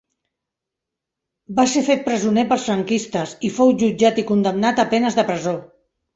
Va ser fet presoner pels franquistes, i fou jutjat i condemnat a penes de presó.